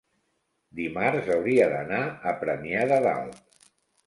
dimarts hauria d'anar a Premià de Dalt.